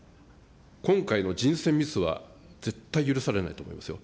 今回の人選ミスは、絶対許されないと思いますよ。